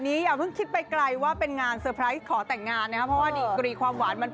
เนี่ยว่าเธอจะเคยเป็นใครผ่านอะไรมา